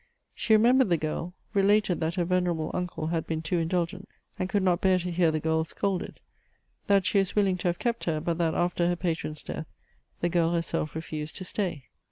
She remembered the girl; related, that her venerable uncle had been too indulgent, and could not bear to hear the girl scolded; that she was willing to have kept her, but that, after her patron's death, the girl herself refused to stay.